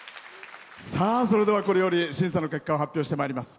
それでは、これより審査の結果を発表してまいります。